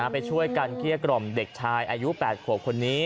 ไปช่วยกันเกลี้ยกล่อมเด็กชายอายุ๘ขวบคนนี้